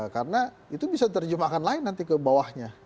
karena itu bisa terjemahkan lain nanti ke bawahnya